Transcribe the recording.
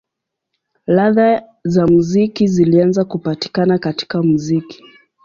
Ladha za muziki zilianza kupatikana katika muziki.